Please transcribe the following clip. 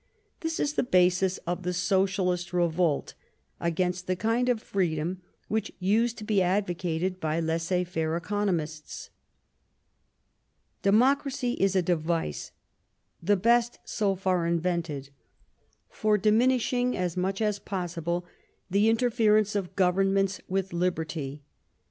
This is the basis of the socialist revolt against the kind of freedom which used to be advocated by laissez faire economists. Democracy is a device the best so far invented for diminishing as much as possible the interference of governments with liberty.